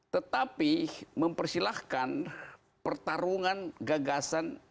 tetapi mempersilahkan pertarungan gagasan dan perjuangan